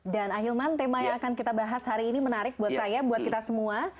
dan ahilman tema yang akan kita bahas hari ini menarik buat saya buat kita semua